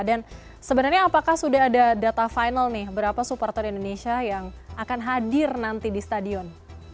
dan sebenarnya apakah sudah ada data final nih berapa supertown indonesia yang akan hadir nanti di stadion